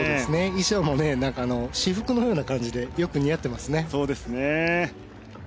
衣装も私服のような感じでよく似合っていますね。